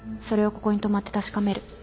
それをここに泊まって確かめる。